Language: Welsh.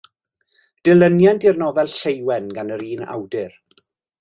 Dilyniant i'r nofel Lleuwen gan yr un awdur.